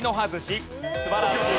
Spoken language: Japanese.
素晴らしい！